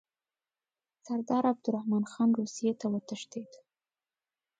سردار عبدالرحمن خان روسیې ته وتښتېد.